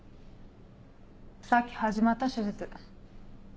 さっき始まった手術。